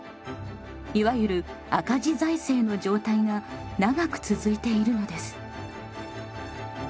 いわゆる赤字財政の状態が長く続いているのです。